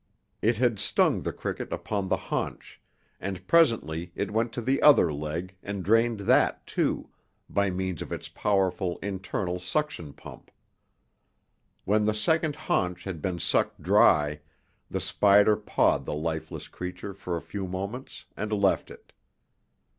It had stung the cricket upon the haunch, and presently it went to the other leg and drained that, too, by means of its powerful internal suction pump. When the second haunch had been sucked dry, the spider pawed the lifeless creature for a few moments and left it.